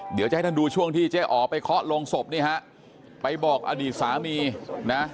เดี๋ยวจะให้ท่านดูช่วงที่เจ๊อ๋อไปเคาะลงศพนี่ฮะไปบอกอดีตสามีนะ